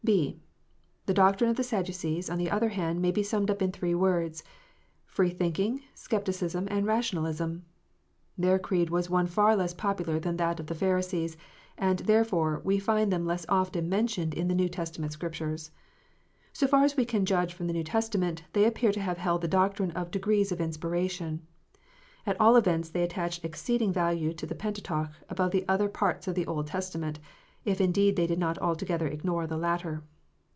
(6) The doctrine of the Sadducees, on the other hand, may be summed up in three words, free thinking, scepticism, and rationalism. Their creed was one far less popular than that of the Pharisees, and, therefore, we find them less often mentioned in the New Testament Scriptures. So far as we can judge from the New Testament, they appear to have held the doctrine of degrees of inspiration ; at all events they attached exceeding value to the Pentateuch above the other parts of the Old Testa ment, if indeed they did not altogether ignore the latter.